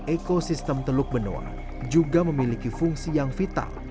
ekosistem teluk benoa juga memiliki fungsi yang vital